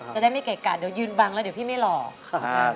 จะได้ไม่เกะกะเดี๋ยวยืนบังแล้วเดี๋ยวพี่ไม่หลอก